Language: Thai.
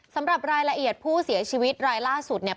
สำหรับรายละเอียดผู้เสียชีวิตรายล่าสุดเนี่ย